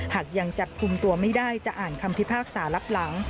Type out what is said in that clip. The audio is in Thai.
หากยังจับคุมตัวไม่ได้จะอ่านคำพิพากษารับหลัง